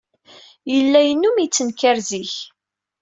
Yella yennum yettenkar zik.